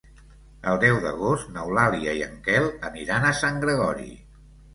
El deu d'agost n'Eulàlia i en Quel aniran a Sant Gregori.